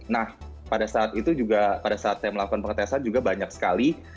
nah pada saat itu juga pada saat saya melakukan pengetesan juga banyak sekali